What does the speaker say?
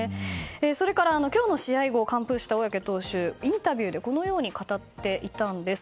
それから、今日の試合後完封した小宅投手はインタビューでこのように語っていたんです。